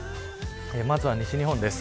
まずは西日本です。